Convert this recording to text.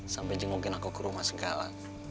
sampai jengukin aku ke rumah segala